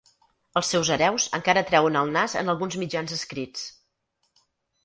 Els seus hereus encara treuen el nas en alguns mitjans escrits.